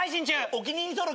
お気に入り登録。